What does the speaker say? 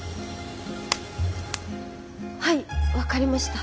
はい分かりました。